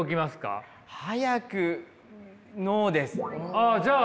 あじゃあ。